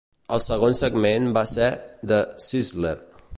El segon segment va ser "The Sizzler".